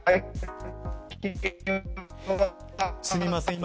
すみません。